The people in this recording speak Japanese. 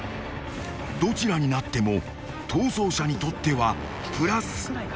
［どちらになっても逃走者にとってはプラス］